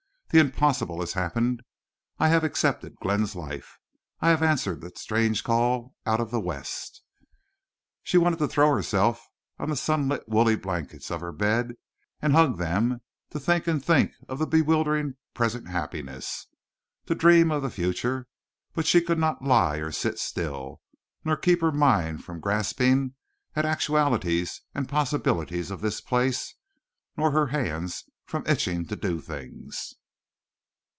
"The impossible has happened. I have accepted Glenn's life. I have answered that strange call out of the West." She wanted to throw herself on the sunlit woolly blankets of her bed and hug them, to think and think of the bewildering present happiness, to dream of the future, but she could not lie or sit still, nor keep her mind from grasping at actualities and possibilities of this place, nor her hands from itching to do things.